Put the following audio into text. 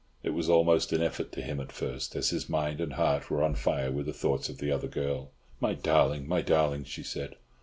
It was almost an effort to him at first, as his mind and heart were on fire with the thoughts of the other girl. "My darling, my darling!" she said.